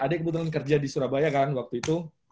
adek kebetulan kerja di surabaya kan waktu itu